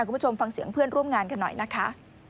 คุณผู้ชมฟังเสียงเพื่อนร่วมงานกันหน่อยนะคะ